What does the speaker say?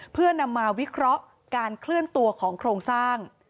เพื่อนำมาวิเคราะห์การเคลื่อนตัวของโครงสร้าง